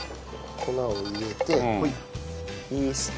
粉を入れてイースト。